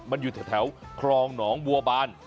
มันอยู่แถวคลองหนองบัวบาน